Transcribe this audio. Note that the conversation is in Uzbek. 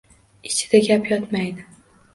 Ichida gap yotmaydi.